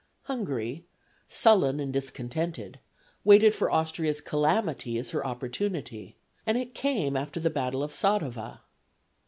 Hungary, sullen and discontented, waited for Austria's calamity as her opportunity, and it came after the battle of Sadowa.